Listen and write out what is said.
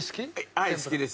はい好きです。